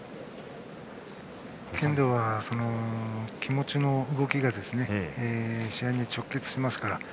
剣道は気持ちの動きが試合に直結しますから。